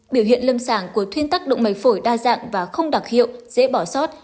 biểu hiện lâm sàng của thuyên tắc động mầy phổi đa dạng và không đặc hiệu dễ bỏ sót